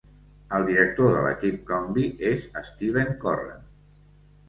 El director de l'equip Comby és Steven Corren.